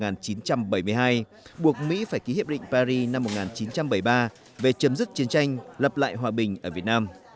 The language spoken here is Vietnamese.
nước mỹ phải ký hiệp định paris năm một nghìn chín trăm bảy mươi ba về chấm dứt chiến tranh lập lại hòa bình ở việt nam